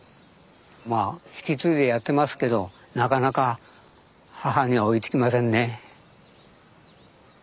まあ引き継いでやってますけどなかなか母には追いつきませんね。